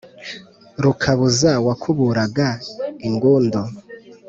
Rukabuza wakuburaga ingundu*